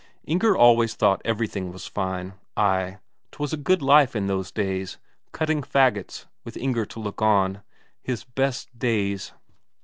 Inger always thought everything was fine; ay, 'twas a good life those days, cutting faggots, with Inger to look on his best days.